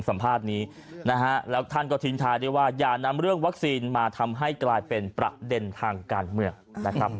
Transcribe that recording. สัมภาษณ์นี้นะฮะแล้วท่านก็ทิ้งท้ายด้วยว่าอย่านำเรื่องวัคซีนมาทำให้กลายเป็นประเด็นทางการเมืองนะครับ